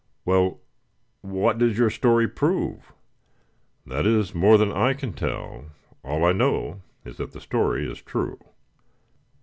"Well, what does your story prove?" "That is more than I can tell. All I know is that the story is true."